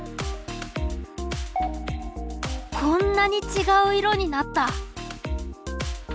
こんなにちがう色になった。